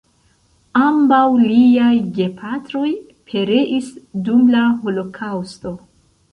Ambaŭ liaj gepatroj pereis dum la Holokaŭsto.